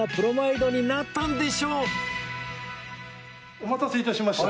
お待たせ致しました。